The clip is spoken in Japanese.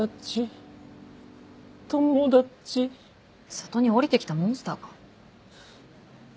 里に下りてきたモンスターか。